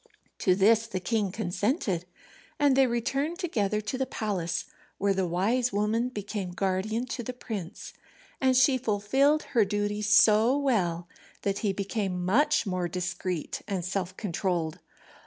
To this the king consented, and they returned together to the palace, where the wise woman became guardian to the prince, and she fulfilled her duties so well that he became much more discreet and self controlled.